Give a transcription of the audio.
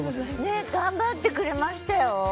ねえ。頑張ってくれましたよ。